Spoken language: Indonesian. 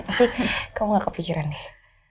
pasti kamu gak kepikiran deh